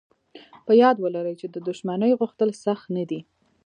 په یاد و لرئ چې د شتمنۍ غوښتل سخت نه دي